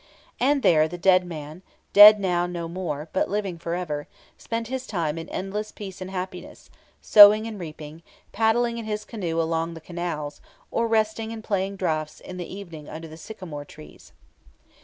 And there the dead man, dead now no more, but living for ever, spent his time in endless peace and happiness, sowing and reaping, paddling in his canoe along the canals, or resting and playing draughts in the evening under the sycamore trees.